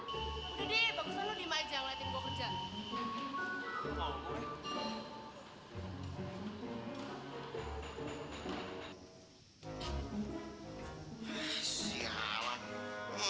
udah deh bagus lo di majang liatin gue kerja